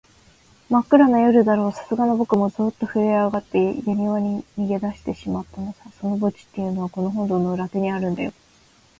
まっくらな夜だろう、さすがのぼくもゾーッとふるえあがって、やにわに逃げだしてしまったのさ。その墓地っていうのは、この本堂の裏手にあるんだよ。